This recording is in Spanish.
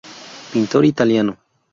Pintor italiano.